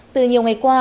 từ nhiều ngày qua